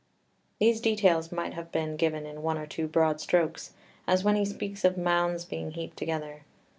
4 These details might have been given in one or two broad strokes, as when he speaks of mounds being heaped together.